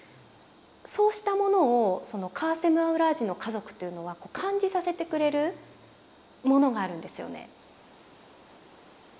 そうしたものをカーセム・アウラージの家族というのは感じさせてくれるものがあるんですよね。